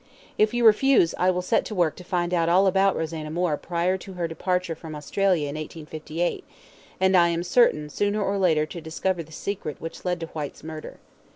If you refuse, I will set to work to find out all about Rosanna Moore prior to her departure from Australia in 1858, and I am certain sooner or later to discover the secret which led to Whyte's murder.